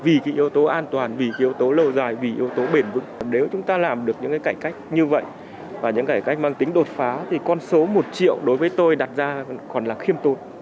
vì cái yếu tố an toàn vì cái yếu tố lâu dài vì yếu tố bền vững nếu chúng ta làm được những cái cải cách như vậy và những cải cách mang tính đột phá thì con số một triệu đối với tôi đặt ra còn là khiêm tốn